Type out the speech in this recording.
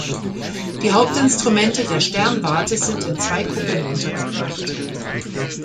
Die Hauptinstrumente der Sternwarte sind in zwei Kuppeln untergebracht.